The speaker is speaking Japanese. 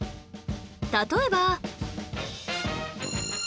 例えば